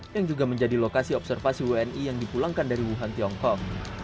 yang juga menjadi lokasi observasi wni yang dipulangkan dari wuhan tiongkok